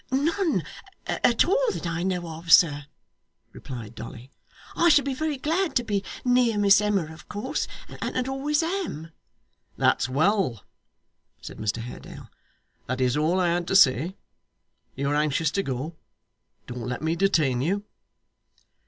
'None at all that I know of sir,' replied Dolly. 'I should be very glad to be near Miss Emma of course, and always am.' 'That's well,' said Mr Haredale. 'That is all I had to say. You are anxious to go. Don't let me detain you.